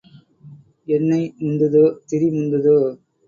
எண்ணை முந்துதோ திரி முந்துதோ?